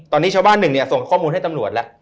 ตอนนี้ชาวบ้านหนึ่งเนี่ยส่งข้อมูลให้ตำรวจแล้ว